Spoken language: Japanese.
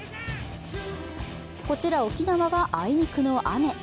こちら、沖縄はあいにくの雨。